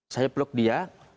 saya peluk dia